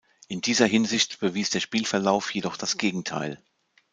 In dieser Hinsicht bewies der Spielverlauf jedoch das Gegenteil.